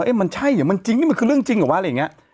มันใช่เหรอมันจริงนี่มันคือเรื่องจริงเหรอวะอะไรอย่างนี้